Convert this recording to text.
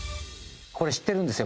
これ知ってるんですよ。